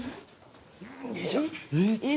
えっ？